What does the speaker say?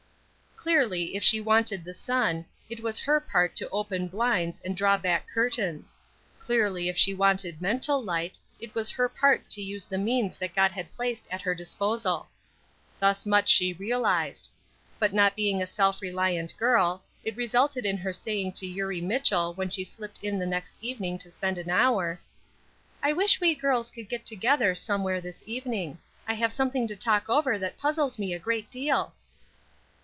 Clearly if she wanted the sun, it was her part to open blinds and draw back curtains; clearly if she wanted mental light, it was her part to use the means that God had placed at her disposal. Thus much she realized. But not being a self reliant girl, it resulted in her saying to Eurie Mitchell when she slipped in the next evening to spend an hour: "I wish we girls could get together somewhere this evening; I have something to talk over that puzzles me a great deal."